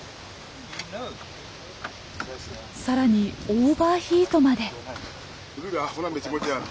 さらにオーバーヒートまで。